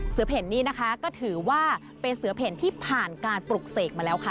เผ่นนี่นะคะก็ถือว่าเป็นเสือเพ่นที่ผ่านการปลุกเสกมาแล้วค่ะ